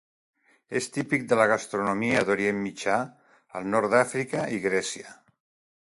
És típic de la gastronomia d'Orient Mitjà, el nord d'Àfrica i Grècia.